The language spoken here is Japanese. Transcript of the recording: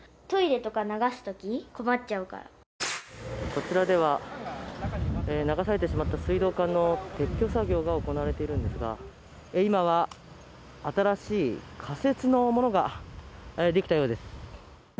こちらでは流されてしまった水道管の撤去作業が行われているんですが今は新しい仮設のものができたようです。